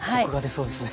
そうですね。